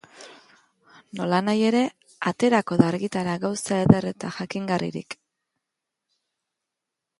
Nolanahi ere, aterako da argitara gauza eder eta jakingarririk.